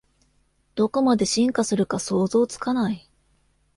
どこまで進化するか想像つかない